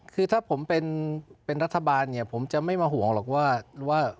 คือถ้าผมเป็นรัฐบาลเนี่ยผมจะไม่มาห่วงหรอกว่า